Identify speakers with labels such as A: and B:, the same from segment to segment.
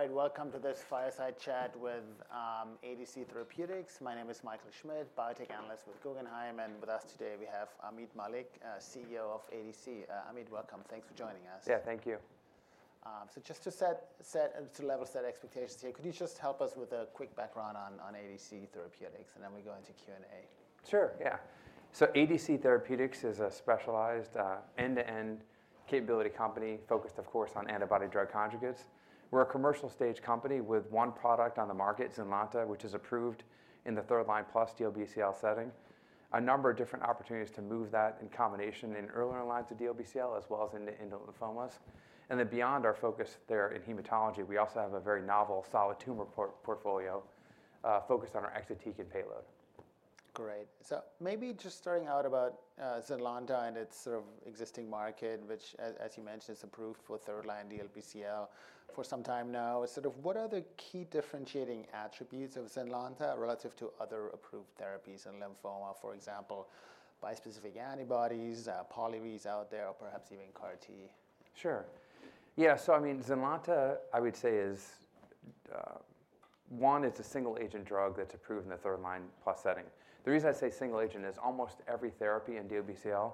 A: All right, welcome to this fireside chat with ADC Therapeutics. My name is Michael Schmidt, biotech analyst with Guggenheim. And with us today, we have Ameet Mallik, CEO of ADC. Ameet, welcome. Thanks for joining us.
B: Yeah, thank you.
A: So just to set level set expectations here, could you just help us with a quick background on ADC Therapeutics, and then we'll go into Q&A?
B: Sure, yeah. So ADC Therapeutics is a specialized end-to-end capability company focused, of course, on antibody-drug conjugates. We're a commercial-stage company with one product on the market, Zynlonta, which is approved in the third-line plus DLBCL setting, a number of different opportunities to move that in combination in earlier lines of DLBCL as well as into lymphomas, and then beyond our focus there in hematology, we also have a very novel solid tumor portfolio focused on our exatecan payload.
A: Great. So maybe just starting out about Zynlonta and its sort of existing market, which, as you mentioned, is approved for third-line DLBCL for some time now. Sort of what are the key differentiating attributes of Zynlonta relative to other approved therapies in lymphoma, for example, bispecific antibodies, Pola out there, or perhaps even CAR-T?
B: Sure. Yeah, so I mean, Zynlonta, I would say, is one. It's a single-agent drug that's approved in the third-line plus setting. The reason I say single-agent is almost every therapy in DLBCL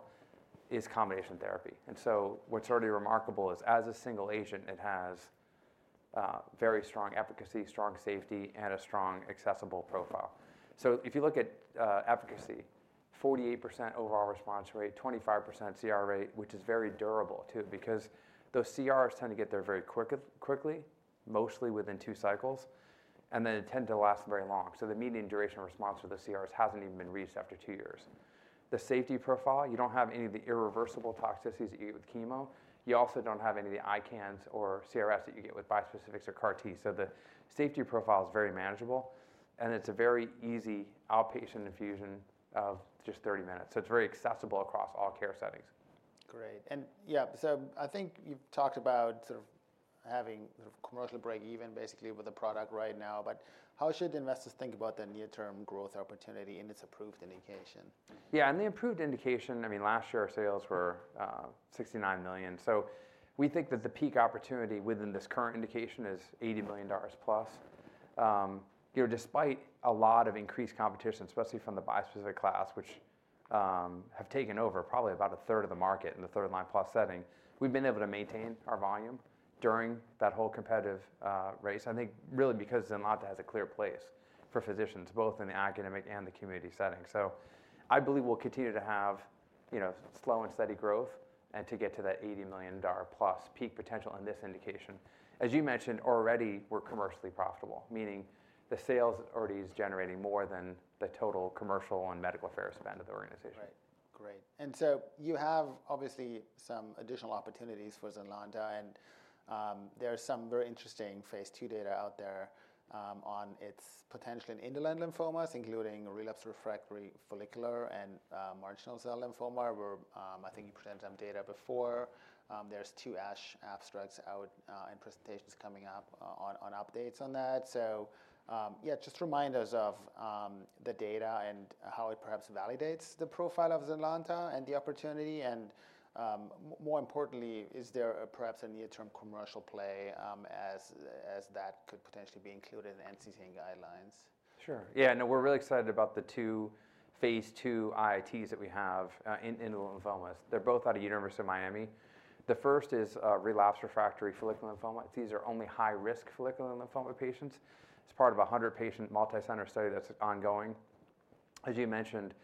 B: is combination therapy. And so what's already remarkable is, as a single agent, it has very strong efficacy, strong safety, and a strong accessible profile. So if you look at efficacy, 48% overall response rate, 25% CR rate, which is very durable, too, because those CRs tend to get there very quickly, mostly within two cycles, and then they tend to last very long. So the median duration of response for the CRs hasn't even been reached after two years. The safety profile, you don't have any of the irreversible toxicities that you get with chemo. You also don't have any of the ICANS or CRS that you get with bispecifics or CAR-T. So the safety profile is very manageable, and it's a very easy outpatient infusion of just 30 minutes. So it's very accessible across all care settings.
A: Great. And yeah, so I think you've talked about sort of having sort of commercial break-even, basically, with the product right now. But how should investors think about the near-term growth opportunity in its approved indication?
B: Yeah, in the approved indication, I mean, last year, our sales were $69 million. So we think that the peak opportunity within this current indication is $80 million plus. Despite a lot of increased competition, especially from the bispecific class, which have taken over probably about a third of the market in the third-line plus setting, we've been able to maintain our volume during that whole competitive race, I think, really because Zynlonta has a clear place for physicians, both in the academic and the community setting. So I believe we'll continue to have slow and steady growth and to get to that $80 million plus peak potential in this indication. As you mentioned, already, we're commercially profitable, meaning the sales already is generating more than the total commercial and medical affairs spend of the organization.
A: Right, great. And so you have, obviously, some additional opportunities for Zynlonta. And there's some very interesting phase 2 data out there on its potential in indolent lymphomas, including relapse refractory follicular and marginal zone lymphoma. I think you presented some data before. There's two ASH abstracts out and presentations coming up on updates on that. So yeah, just remind us of the data and how it perhaps validates the profile of Zynlonta and the opportunity. And more importantly, is there perhaps a near-term commercial play as that could potentially be included in NCCN guidelines?
B: Sure, yeah. No, we're really excited about the two phase 2 IITs that we have in indolent lymphomas. They're both out of the University of Miami. The first is relapsed refractory follicular lymphoma. These are only high-risk follicular lymphoma patients. It's part of a 100-patient multicenter study that's ongoing. As you mentioned,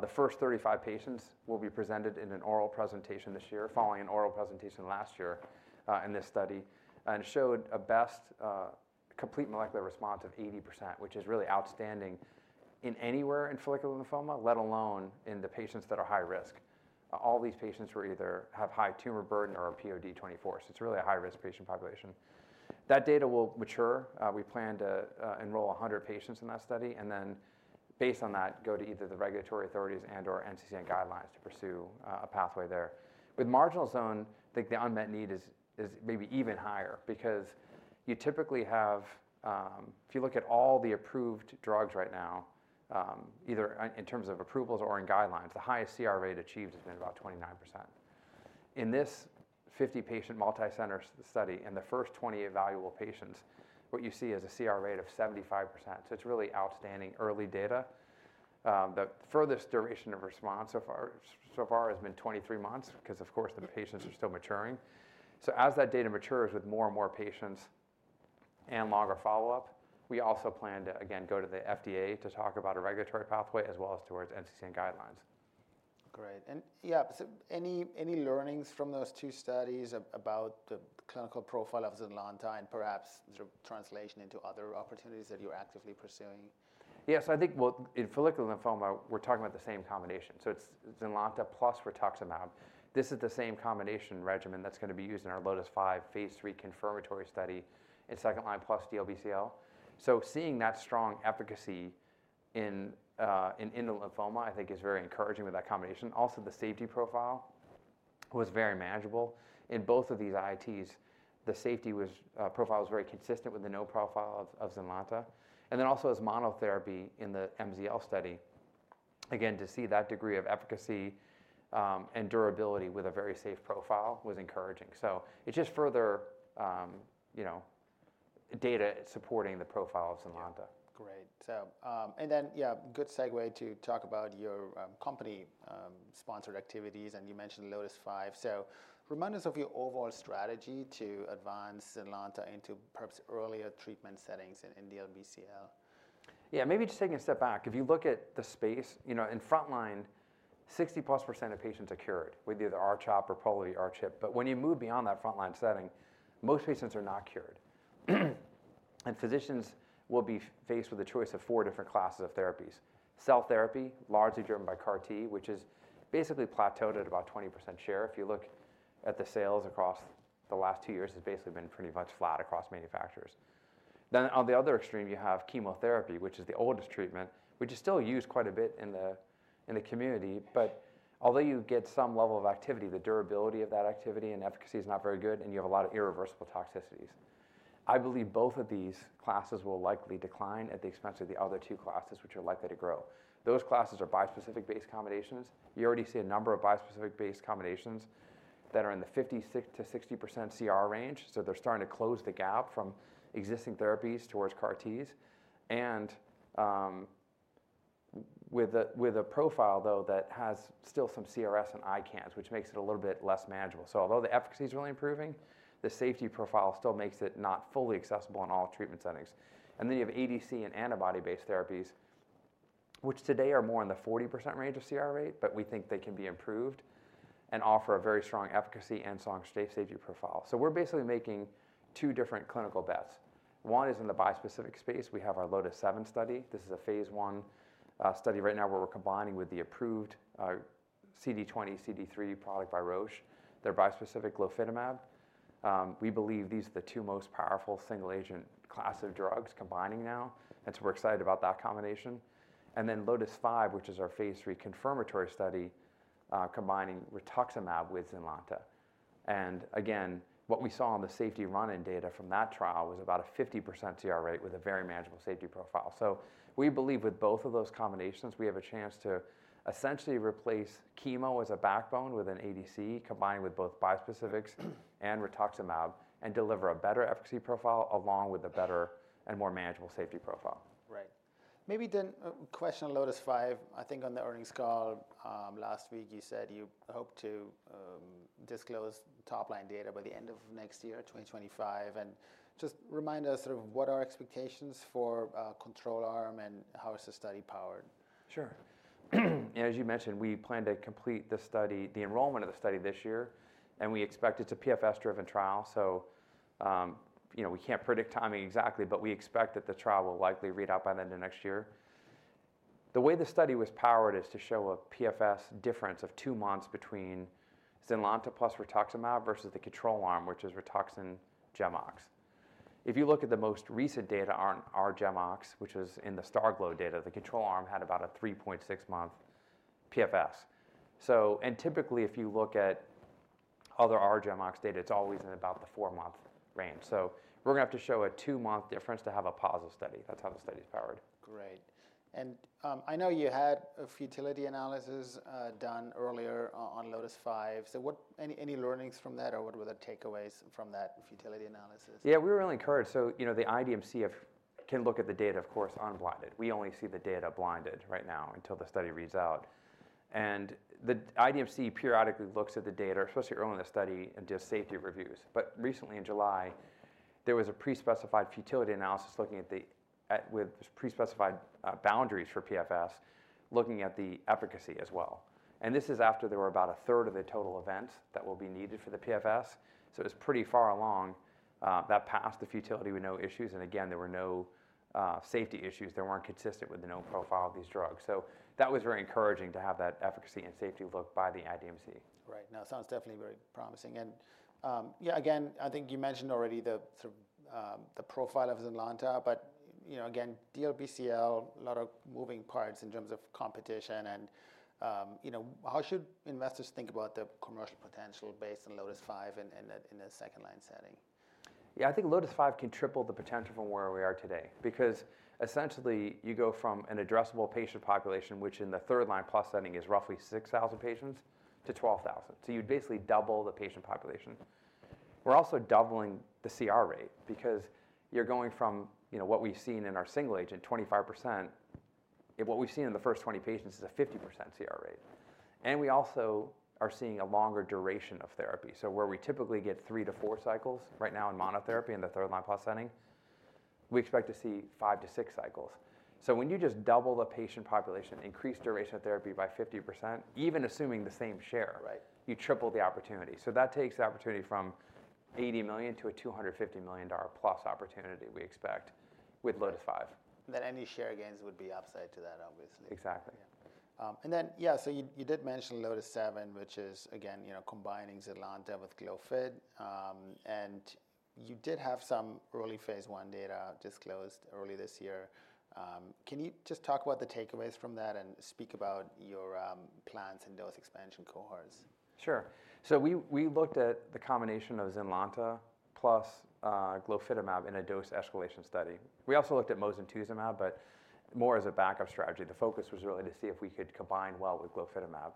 B: the first 35 patients will be presented in an oral presentation this year, following an oral presentation last year in this study, and showed a best complete molecular response of 80%, which is really outstanding anywhere in follicular lymphoma, let alone in the patients that are high risk. All these patients have either a high tumor burden or a POD24. So it's really a high-risk patient population. That data will mature. We plan to enroll 100 patients in that study and then, based on that, go to either the regulatoPry authorities and/or NCCN guidelines to pursue a pathway there. With marginal zone, I think the unmet need is maybe even higher because you typically have, if you look at all the approved drugs right now, either in terms of approvals or in guidelines, the highest CR rate achieved has been about 29%. In this 50-patient multicenter study, in the first 28 evaluable patients, what you see is a CR rate of 75%. So it's really outstanding early data. The furthest duration of response so far has been 23 months because, of course, the patients are still maturing. So as that data matures with more and more patients and longer follow-up, we also plan to, again, go to the FDA to talk about a regulatory pathway as well as towards NCCN guidelines.
A: Great. And yeah, any learnings from those two studies about the clinical profile of Zynlonta and perhaps translation into other opportunities that you're actively pursuing?
B: Yeah, so I think, well, in follicular lymphoma, we're talking about the same combination, so it's Zynlonta plus rituximab. This is the same combination regimen that's going to be used in our LOTIS-5 Phase 3 confirmatory study in second-line plus DLBCL, so seeing that strong efficacy in indolent lymphoma, I think, is very encouraging with that combination. Also, the safety profile was very manageable. In both of these IITs, the safety profile was very consistent with the known profile of Zynlonta, and then also, as monotherapy in the MZL study, again, to see that degree of efficacy and durability with a very safe profile was encouraging, so it's just further data supporting the profile of Zynlonta.
A: Great. And then, yeah, good segue to talk about your company-sponsored activities. And you mentioned LOTIS-5. So remind us of your overall strategy to advance Zynlonta into perhaps earlier treatment settings in DLBCL?
B: Yeah, maybe just taking a step back. If you look at the space, in front line, 60% plus of patients are cured with either R-CHOP or Pola-R-CHP, but when you move beyond that front line setting, most patients are not cured. And physicians will be faced with a choice of four different classes of therapies: cell therapy, largely driven by CAR-T, which has basically plateaued at about 20% share. If you look at the sales across the last two years, it's basically been pretty much flat across manufacturers. Then on the other extreme, you have chemotherapy, which is the oldest treatment, which is still used quite a bit in the community, but although you get some level of activity, the durability of that activity and efficacy is not very good, and you have a lot of irreversible toxicities. I believe both of these classes will likely decline at the expense of the other two classes, which are likely to grow. Those classes are bispecific-based combinations. You already see a number of bispecific-based combinations that are in the 50%-60% CR range. So they're starting to close the gap from existing therapies towards CAR-Ts. And with a profile, though, that has still some CRS and ICANS, which makes it a little bit less manageable. So although the efficacy is really improving, the safety profile still makes it not fully accessible in all treatment settings. And then you have ADC and antibody-based therapies, which today are more in the 40% range of CR rate, but we think they can be improved and offer a very strong efficacy and strong safety profile. So we're basically making two different clinical bets. One is in the bispecific space. We have our LOTIS-7 study. This is a phase one study right now where we're combining with the approved CD20, CD3 product by Roche, their bispecific, Glofitamab. We believe these are the two most powerful single-agent classes of drugs combining now. And so we're excited about that combination. And then LOTIS-5, which is our phase three confirmatory study, combining rituximab with Zynlonta. And again, what we saw on the safety run-in data from that trial was about a 50% CR rate with a very manageable safety profile. So we believe with both of those combinations, we have a chance to essentially replace chemo as a backbone with an ADC combined with both bispecifics and rituximab and deliver a better efficacy profile along with a better and more manageable safety profile.
A: Great. Maybe then a question on LOTIS-5. I think on the earnings call last week, you said you hope to disclose top-line data by the end of next year, 2025, and just remind us sort of what are our expectations for control arm and how is the study powered?
B: Sure. As you mentioned, we plan to complete the enrollment of the study this year, and we expect it's a PFS-driven trial, so we can't predict timing exactly, but we expect that the trial will likely read out by the end of next year. The way the study was powered is to show a PFS difference of two months between Zynlonta plus rituximab versus the control arm, which is Rituxan Gemox. If you look at the most recent data on R-Gemox, which is in the STARGLOW data, the control arm had about a 3.6-month PFS, and typically, if you look at other R-Gemox data, it's always in about the four-month range, so we're going to have to show a two-month difference to have a positive study. That's how the study is powered.
A: Great. And I know you had a futility analysis done earlier on LOTIS-5. So any learnings from that, or what were the takeaways from that futility analysis?
B: Yeah, we were really encouraged. So the IDMC can look at the data, of course, unblinded. We only see the data blinded right now until the study reads out. And the IDMC periodically looks at the data, especially early in the study, and does safety reviews. But recently, in July, there was a pre-specified futility analysis with pre-specified boundaries for PFS, looking at the efficacy as well. And this is after there were about a third of the total events that will be needed for the PFS. So it was pretty far along that passed the futility with no issues. And again, there were no safety issues. They weren't consistent with the known profile of these drugs. So that was very encouraging to have that efficacy and safety look by the IDMC.
A: Right. No, it sounds definitely very promising. And yeah, again, I think you mentioned already the profile of Zynlonta. But again, DLBCL, a lot of moving parts in terms of competition. And how should investors think about the commercial potential based on LOTIS-5 in a second-line setting?
B: Yeah, I think LOTIS-5 can triple the potential from where we are today because, essentially, you go from an addressable patient population, which in the third-line plus setting is roughly 6,000 patients, to 12,000. So you'd basically double the patient population. We're also doubling the CR rate because you're going from what we've seen in our single agent, 25%, and what we've seen in the first 20 patients is a 50% CR rate. And we also are seeing a longer duration of therapy. So where we typically get three to four cycles right now in monotherapy in the third-line plus setting, we expect to see five to six cycles. So when you just double the patient population, increase duration of therapy by 50%, even assuming the same share, you triple the opportunity. So that takes the opportunity from $80 million to a $250 million plus opportunity we expect with LOTIS-5.
A: That any share gains would be upside to that, obviously.
B: Exactly.
A: And then, yeah, so you did mention LOTIS-7, which is, again, combining Zynlonta with glofitamab. And you did have some early phase one data disclosed early this year. Can you just talk about the takeaways from that and speak about your plans and dose expansion cohorts?
B: Sure. So we looked at the combination of Zynlonta plus glofitamab in a dose escalation study. We also looked at mosintuzumab, but more as a backup strategy. The focus was really to see if we could combine well with glofitamab.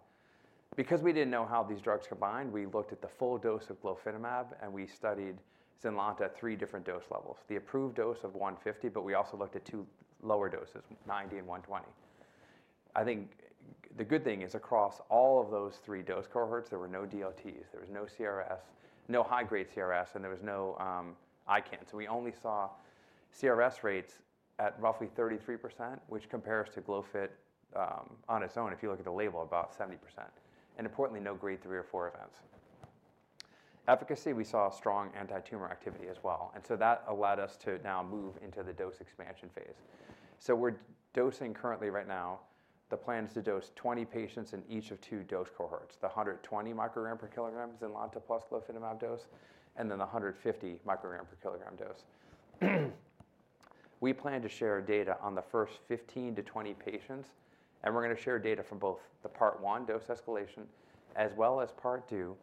B: Because we didn't know how these drugs combined, we looked at the full dose of glofitamab, and we studied Zynlonta at three different dose levels, the approved dose of 150, but we also looked at two lower doses, 90 and 120. I think the good thing is across all of those three dose cohorts, there were no DLTs. There was no CRS, no high-grade CRS, and there was no ICANS. So we only saw CRS rates at roughly 33%, which compares to glofitamab on its own, if you look at the label, about 70%. And importantly, no grade three or four events. Efficacy, we saw strong anti-tumor activity as well. And so that allowed us to now move into the dose expansion phase. So we're dosing currently right now. The plan is to dose 20 patients in each of two dose cohorts, the 120 microgram per kilogram Zynlonta plus glofitamab dose, and then the 150 microgram per kilogram dose. We plan to share data on the first 15-20 patients. And we're going to share data from both the part one dose escalation as well as part two,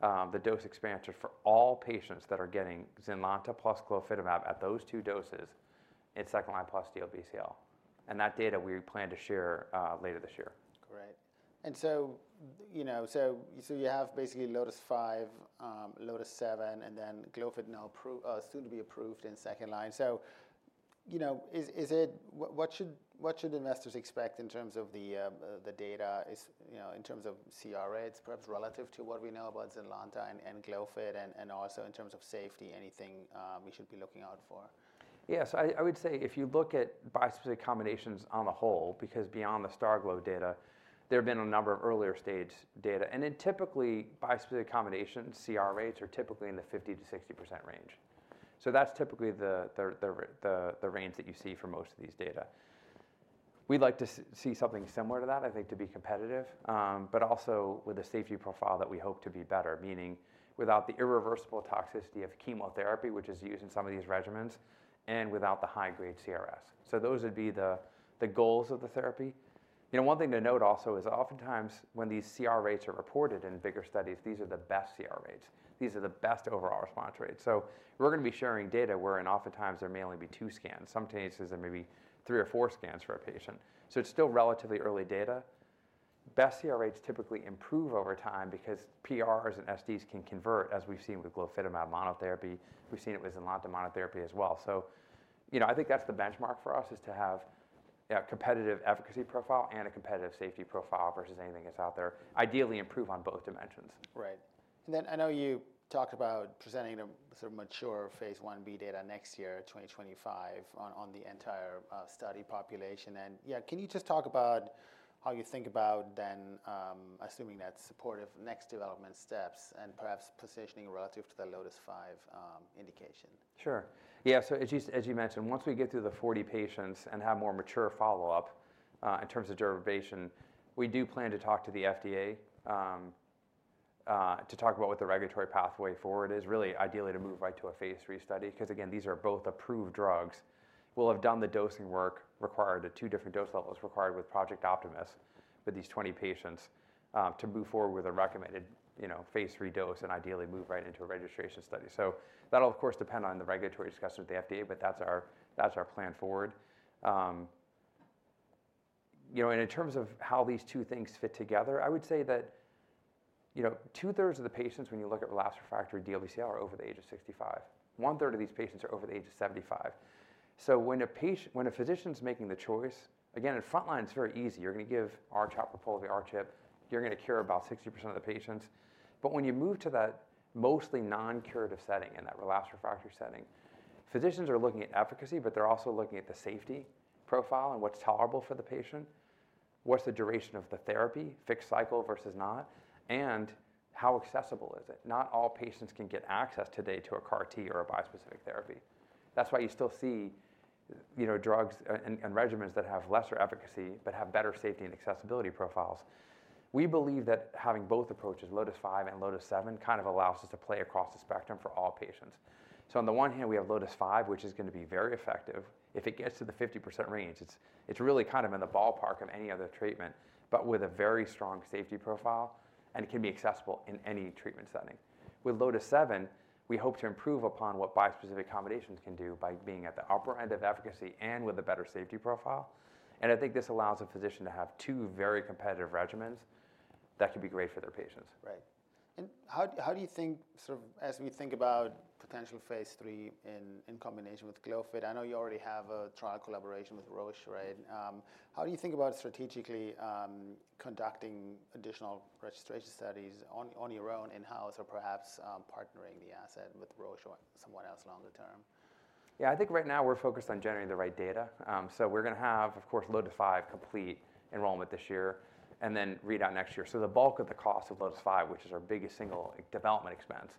B: the dose expansion for all patients that are getting Zynlonta plus glofitamab at those two doses in second-line plus DLBCL. And that data, we plan to share later this year.
A: Great. And so you have basically LOTIS-5, LOTIS-7, and then Glofitamab now soon to be approved in second line. So what should investors expect in terms of the data in terms of CR rates, perhaps relative to what we know about Zynlonta and Glofitamab, and also in terms of safety, anything we should be looking out for?
B: Yeah, so I would say if you look at bispecific combinations on the whole, because beyond the STARGLOW data, there have been a number of earlier stage data. And then typically, bispecific combinations, CR rates are typically in the 50%-60% range. So that's typically the range that you see for most of these data. We'd like to see something similar to that, I think, to be competitive, but also with a safety profile that we hope to be better, meaning without the irreversible toxicity of chemotherapy, which is used in some of these regimens, and without the high-grade CRS. So those would be the goals of the therapy. One thing to note also is oftentimes when these CR rates are reported in bigger studies, these are the best CR rates. These are the best overall response rates. We're going to be sharing data wherein oftentimes there may only be two scans. Some cases, there may be three or four scans for a patient. It's still relatively early data. Best CR rates typically improve over time because PRs and SDs can convert, as we've seen with glofitamab monotherapy. We've seen it with Zynlonta monotherapy as well. I think that's the benchmark for us is to have a competitive efficacy profile and a competitive safety profile versus anything that's out there, ideally improve on both dimensions.
A: Right, and then I know you talked about presenting sort of mature phase 1b data next year, 2025, on the entire study population, and yeah, can you just talk about how you think about then assuming that's supportive next development steps and perhaps positioning relative to the LOTIS-5 indication?
B: Sure. Yeah. So as you mentioned, once we get through the 40 patients and have more mature follow-up in terms of durability, we do plan to talk to the FDA to talk about what the regulatory pathway forward is, really, ideally to move right to a phase three study because, again, these are both approved drugs. We'll have done the dosing work required at two different dose levels required with Project Optimus with these 20 patients to move forward with a recommended phase three dose and ideally move right into a registration study, so that'll, of course, depend on the regulatory discussion with the FDA, but that's our plan forward, and in terms of how these two things fit together, I would say that two-thirds of the patients, when you look at relapsed refractory DLBCL, are over the age of 65. One-third of these patients are over the age of 75. So when a physician's making the choice, again, in front line, it's very easy. You're going to give R-CHOP, Pola-R-CHP, the R-CHOP. You're going to cure about 60% of the patients. But when you move to that mostly non-curative setting and that relapse refractory setting, physicians are looking at efficacy, but they're also looking at the safety profile and what's tolerable for the patient, what's the duration of the therapy, fixed cycle versus not, and how accessible is it. Not all patients can get access today to a CAR-T or a bispecific therapy. That's why you still see drugs and regimens that have lesser efficacy but have better safety and accessibility profiles. We believe that having both approaches, LOTIS-5 and LOTIS-7, kind of allows us to play across the spectrum for all patients. So on the one hand, we have LOTIS-5, which is going to be very effective if it gets to the 50% range. It's really kind of in the ballpark of any other treatment, but with a very strong safety profile. And it can be accessible in any treatment setting. With LOTIS-7, we hope to improve upon what bispecific combinations can do by being at the upper end of efficacy and with a better safety profile. And I think this allows a physician to have two very competitive regimens that could be great for their patients.
A: Right. And how do you think sort of as we think about potential phase three in combination with glofitamab? I know you already have a trial collaboration with Roche, right? How do you think about strategically conducting additional registration studies on your own in-house or perhaps partnering the asset with Roche or someone else longer term?
B: Yeah, I think right now we're focused on generating the right data. So we're going to have, of course, LOTIS-5 complete enrollment this year and then read out next year. So the bulk of the cost of LOTIS-5, which is our biggest single development expense,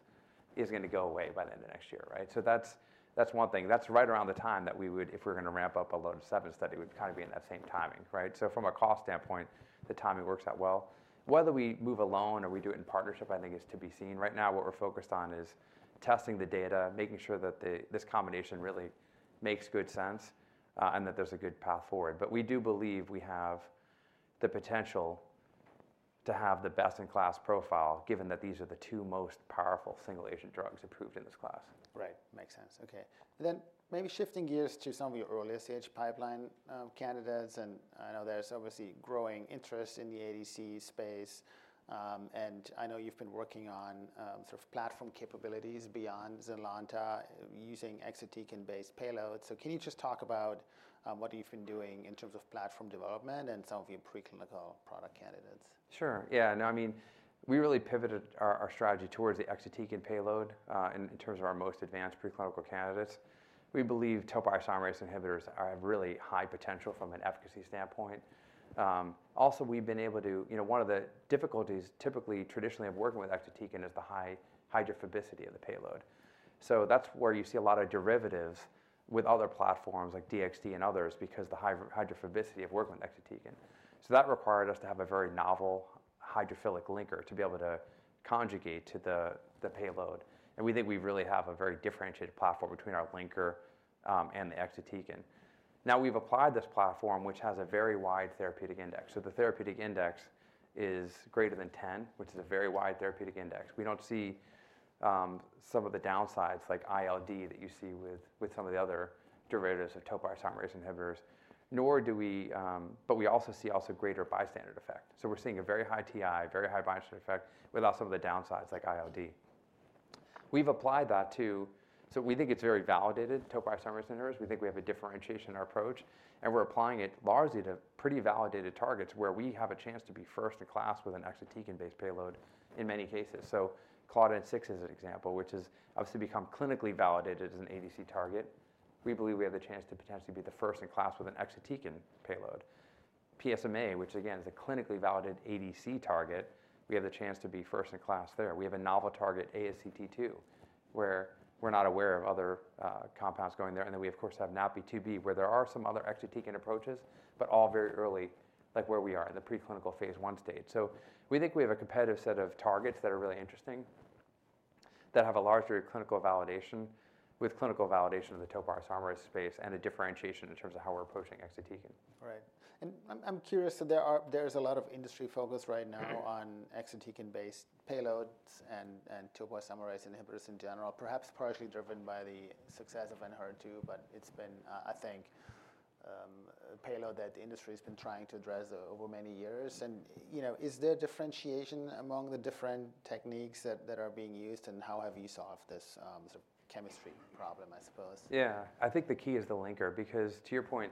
B: is going to go away by the end of next year, right? So that's one thing. That's right around the time that we would, if we're going to ramp up a LOTIS-7 study, would kind of be in that same timing, right? So from a cost standpoint, the timing works out well. Whether we move alone or we do it in partnership, I think, is to be seen. Right now, what we're focused on is testing the data, making sure that this combination really makes good sense and that there's a good path forward. But we do believe we have the potential to have the best-in-class profile, given that these are the two most powerful single agent drugs approved in this class.
A: Right. Makes sense. Okay. Then maybe shifting gears to some of your earlier stage pipeline candidates. And I know there's obviously growing interest in the ADC space. And I know you've been working on sort of platform capabilities beyond Zynlonta using Exatecan-based payloads. So can you just talk about what you've been doing in terms of platform development and some of your pre-clinical product candidates?
B: Sure. Yeah. No, I mean, we really pivoted our strategy towards the exatecan payload in terms of our most advanced pre-clinical candidates. We believe topoisomerase inhibitors have really high potential from an efficacy standpoint. Also, we've been able to one of the difficulties typically, traditionally, of working with exatecan is the high hydrophobicity of the payload. So that's where you see a lot of derivatives with other platforms like DXd and others because of the high hydrophobicity of working with exatecan. So that required us to have a very novel hydrophilic linker to be able to conjugate to the payload. And we think we really have a very differentiated platform between our linker and the exatecan. Now, we've applied this platform, which has a very wide therapeutic index. So the therapeutic index is greater than 10, which is a very wide therapeutic index. We don't see some of the downsides like ILD that you see with some of the other derivatives of topoisomerase inhibitors, nor do we, but we also see greater bystander effect. So we're seeing a very high TI, very high bystander effect without some of the downsides like ILD. We've applied that, so we think it's very validated, topoisomerase inhibitors. We think we have a differentiation approach. We're applying it largely to pretty validated targets where we have a chance to be first in class with an exatecan-based payload in many cases. So Claudin-6 is an example, which has obviously become clinically validated as an ADC target. We believe we have the chance to potentially be the first in class with an exatecan payload. PSMA, which again is a clinically validated ADC target, we have the chance to be first in class there. We have a novel target, ASCT2, where we're not aware of other compounds going there, and then we, of course, have NaPi2b, where there are some other exatecan approaches, but all very early, like where we are in the pre-clinical phase one stage, so we think we have a competitive set of targets that are really interesting, that have a large degree of clinical validation in the topoisomerase space and a differentiation in terms of how we're approaching exatecan.
A: Right. And I'm curious. There is a lot of industry focus right now on Exatecan-based payloads and topoisomerase inhibitors in general, perhaps partially driven by the success of Enhertu, but it's been, I think, a payload that the industry has been trying to address over many years. And is there differentiation among the different techniques that are being used, and how have you solved this sort of chemistry problem, I suppose?
B: Yeah. I think the key is the linker because, to your point,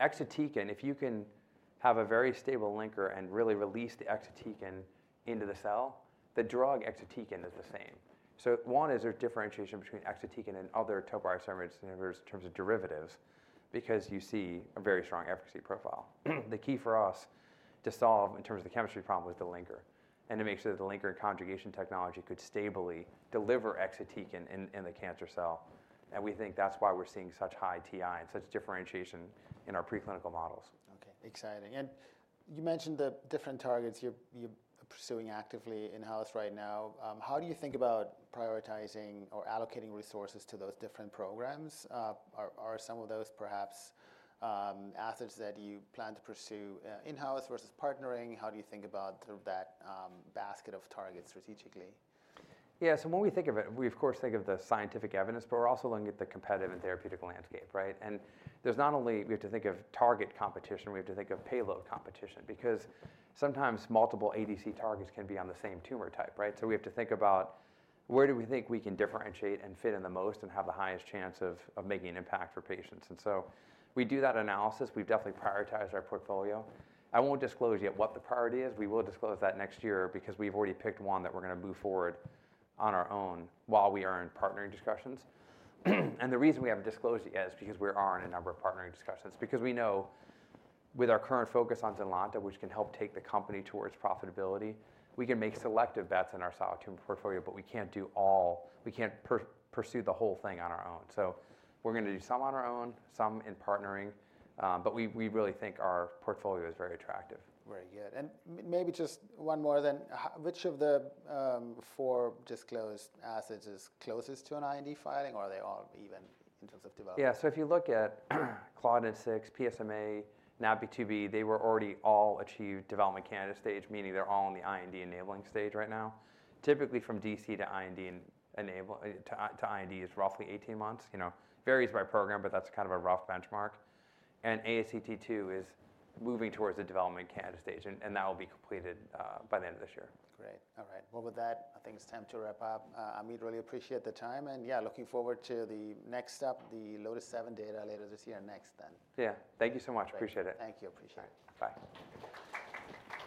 B: Exatecan, if you can have a very stable linker and really release the Exatecan into the cell, the drug Exatecan is the same. So one is there's differentiation between Exatecan and other topoisomerase inhibitors in terms of derivatives because you see a very strong efficacy profile. The key for us to solve in terms of the chemistry problem was the linker. And to make sure that the linker and conjugation technology could stably deliver Exatecan in the cancer cell. And we think that's why we're seeing such high TI and such differentiation in our pre-clinical models.
A: Okay. Exciting and you mentioned the different targets you're pursuing actively in-house right now. How do you think about prioritizing or allocating resources to those different programs? Are some of those perhaps assets that you plan to pursue in-house versus partnering? How do you think about that basket of targets strategically?
B: Yeah. So when we think of it, we, of course, think of the scientific evidence, but we're also looking at the competitive and therapeutic landscape, right? And there's not only we have to think of target competition. We have to think of payload competition because sometimes multiple ADC targets can be on the same tumor type, right? So we have to think about where do we think we can differentiate and fit in the most and have the highest chance of making an impact for patients. And so we do that analysis. We've definitely prioritized our portfolio. I won't disclose yet what the priority is. We will disclose that next year because we've already picked one that we're going to move forward on our own while we are in partnering discussions. The reason we haven't disclosed it yet is because we are in a number of partnering discussions because we know with our current focus on Zynlonta, which can help take the company towards profitability, we can make selective bets in our solid tumor portfolio, but we can't do all, we can't pursue the whole thing on our own. We're going to do some on our own, some in partnering, but we really think our portfolio is very attractive.
A: Very good, and maybe just one more then. Which of the four disclosed assets is closest to an IND filing, or are they all even in terms of development?
B: Yeah. So if you look at CLDN6, PSMA, NaPi2b, they were already all achieved development candidate stage, meaning they're all in the IND-enabling stage right now. Typically, from DC to IND is roughly 18 months. It varies by program, but that's kind of a rough benchmark. And ASCT2 is moving towards the development candidate stage, and that will be completed by the end of this year.
A: Great. All right. With that, I think it's time to wrap up. Ameet, really appreciate the time. Yeah, looking forward to the next step, the LOTIS-7 data later this year.
B: Yeah. Thank you so much. Appreciate it.
A: Thank you. Appreciate it.
B: Bye.